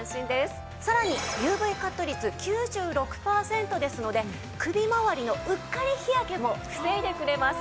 さらにＵＶカット率９６パーセントですので首まわりのうっかり日焼けも防いでくれます。